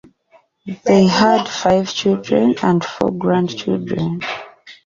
They had five children and four grandchildren.